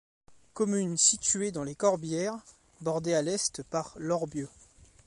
Commune située dans les Corbières, bordée à l'est par l'Orbieu.